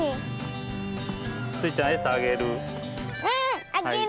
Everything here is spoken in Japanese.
スイちゃんえさあげる？